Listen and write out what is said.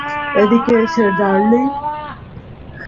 এদিকে এসো, ডার্লিং।